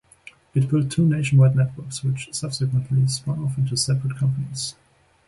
It built two nationwide networks, which subsequently spun off into separate companies.